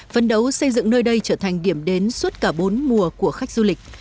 phấn đấu xây dựng nơi đây trở thành điểm đến suốt cả bốn mùa của khách du lịch